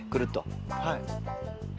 はい。